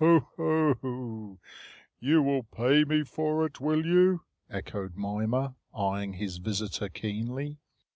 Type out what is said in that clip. "Oho, you will pay me for it, will you?" echoed Mimer, eyeing his visitor keenly.